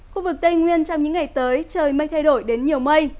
khu vực tây nguyên trong những ngày tới trời mây thay đổi đến nhiều mây